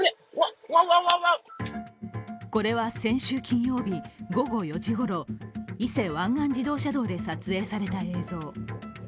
これは先週金曜日午後４時ごろ、伊勢湾岸自動車道で撮影された映像。